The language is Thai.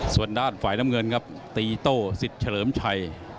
ส่วนด้านฝ่ายน้ำเงินครับตีโต้สิทธิ์เฉลิมชัย